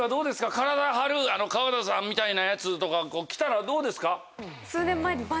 体張る川田さんみたいやつとか来たらどうですか？